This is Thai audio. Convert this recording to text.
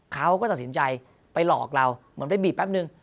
เขาก็ตัดสินใจไปหลอกเราเหมือนไปบีบแป๊บนึง